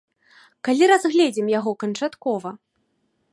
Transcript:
Калі разгледзім яго канчаткова!